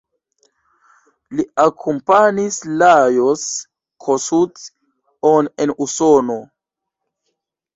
Li akompanis Lajos Kossuth-on en Usono.